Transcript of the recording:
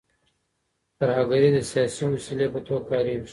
ترهګري د سیاسي وسیلې په توګه کارېږي.